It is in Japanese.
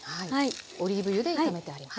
オリーブ油で炒めてあります。